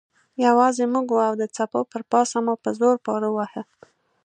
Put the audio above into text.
یوازې موږ وو او د څپو پر پاسه مو په زور پارو واهه.